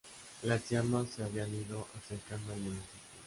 Las llamas se habían ido acercando al municipio.